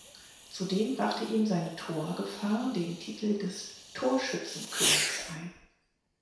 Zudem brachte ihm seine Torgefahr den Titel des Torschützenkönigs ein.